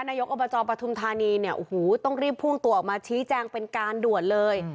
นายกอบจปฐุมธานีเนี่ยโอ้โหต้องรีบพุ่งตัวออกมาชี้แจงเป็นการด่วนเลย